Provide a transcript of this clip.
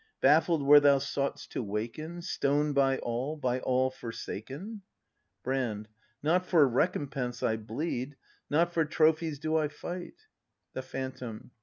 Baffled where thou sought'st to waken. Stoned by all, by all forsaken ? Brand. Not for recompense I bleed; Not for trophies do I fight. The Phantom.